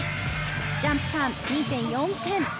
ジャンプターン２．４点。